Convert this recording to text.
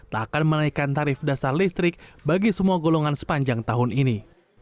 tak akan menaikkan tarif dasar listrik bagi semua golongan sepanjang tahun ini